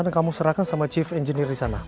dan kamu serahkan sama chief engineer disana